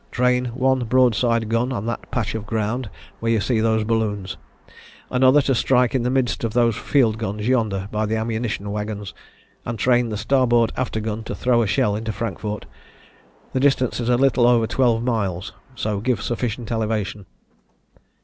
Train one broadside gun on that patch of ground where you see those balloons, another to strike in the midst of those field guns yonder by the ammunition waggons, and train the starboard after gun to throw a shell into Frankfort. The distance is a little over twelve miles, so give sufficient elevation."